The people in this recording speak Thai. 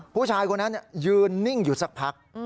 ผู้ชายคนนั้นยืนนิ่งอยู่สักพัก